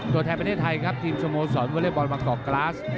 ตัวแทนประเทศไทยครับทีมสโมสรวอเล็กบอลบางกอกกราส